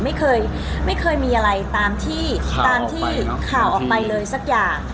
ไม่เคยมีอะไรตามที่ข่าวออกไปเลยสักอย่าง